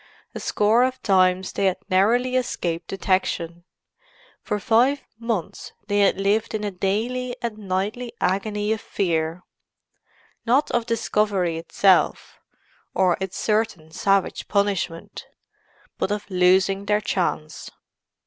A score of times they had narrowly escaped detection. For five months they had lived in a daily and nightly agony of fear—not of discovery itself, or its certain savage punishment, but of losing their chance.